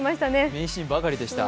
名シーンばかりでした。